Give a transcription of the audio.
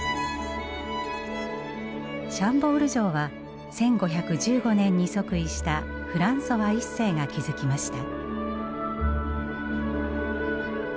シャンボール城は１５１５年に即位したフランソワ一世が築きました。